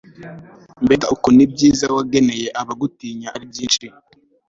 mbega ukuntu ibyiza wageneye abagutinya ari byinshi